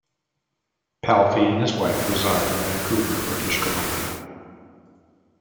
Palffy and his wife reside in Vancouver, British Columbia.